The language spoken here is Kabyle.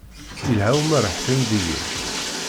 Ilha umerreḥ timeddiyin.